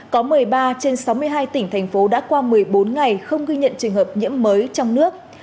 có một mươi ba trên sáu mươi hai tỉnh thành phố đã qua một mươi bốn ngày không ghi nhận trường hợp nhiễm mới trong nước